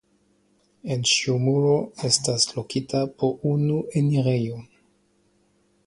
En ĉiu muro estas lokita po unu enirejo.